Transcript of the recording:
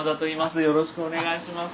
よろしくお願いします。